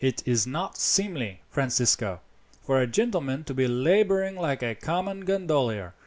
"It is not seemly, Francisco, for a gentleman to be labouring like a common gondolier.